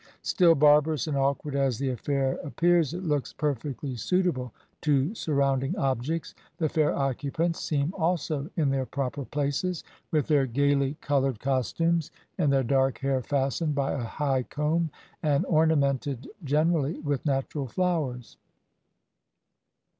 Still barbarous and awkward as the affair appears, it looks perfectly suitable to surrounding objects; the fair occupants seem also in their proper places, with their gaily coloured costumes, and their dark hair fastened by a high comb, and ornamented generally with natural flowers.